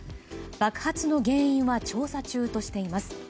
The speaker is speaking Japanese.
爆発の原因は調査中としています。